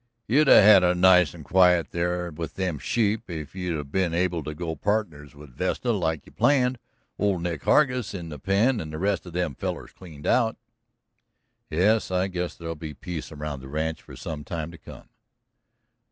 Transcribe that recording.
"You'd 'a' had it nice and quiet there with them sheep if you'd 'a' been able to go pardners with Vesta like you planned, old Nick Hargus in the pen and the rest of them fellers cleaned out." "Yes, I guess there'll be peace around the ranch for some time to come."